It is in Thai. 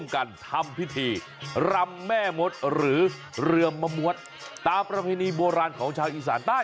กันทำพิธีรำแม่มดหรือเรือมะมวดตามประเพณีโบราณของชาวอีสานใต้